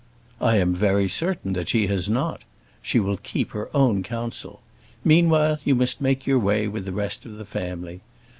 "I am very certain that she has not; she will keep her own counsel. Meanwhile you must make your way with the rest of the family.